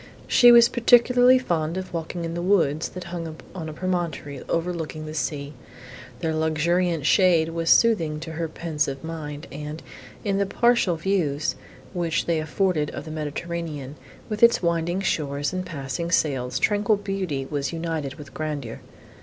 She was particularly fond of walking in the woods, that hung on a promontory, overlooking the sea. Their luxuriant shade was soothing to her pensive mind, and, in the partial views, which they afforded of the Mediterranean, with its winding shores and passing sails, tranquil beauty was united with grandeur.